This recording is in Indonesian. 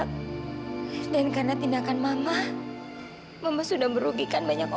rasanya penyesalan mama sudah terlambat nak